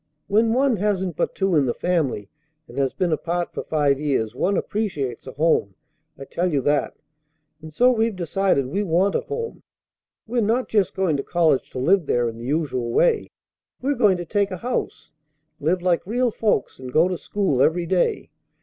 When one hasn't but two in the family and has been apart for five years, one appreciates a home, I tell you that. And so we've decided we want a home. We're not just going to college to live there in the usual way; we're going to take a house, live like real folks, and go to school every day.